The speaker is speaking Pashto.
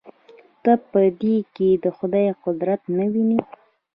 ته په دې کښې د خداى قدرت نه وينې.